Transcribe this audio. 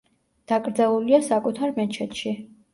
დაკრძალულია საკუთარ მეჩეთში.